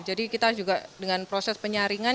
jadi kita juga dengan proses penyaringan